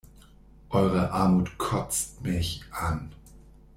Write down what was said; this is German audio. Eure Armut kotzt mich an!